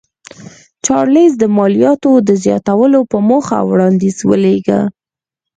چارلېز د مالیاتو د زیاتولو په موخه وړاندیز ولېږه.